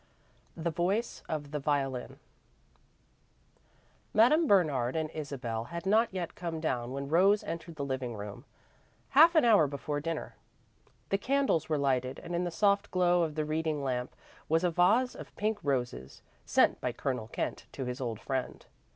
III THE VOICE OF THE VIOLIN Madame Bernard and Isabel had not yet come down when Rose entered the living room, half an hour before dinner. The candles were lighted, and in the soft glow of the reading lamp was a vase of pink roses, sent by Colonel Kent to his old friend.